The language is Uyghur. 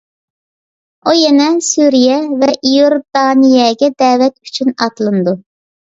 ئۇ يەنە سۈرىيە ۋە ئىيوردانىيەگە دەۋەت ئۈچۈن ئاتلىنىدۇ.